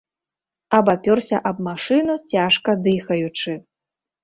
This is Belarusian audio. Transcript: Абапёрся аб машыну, цяжка дыхаючы.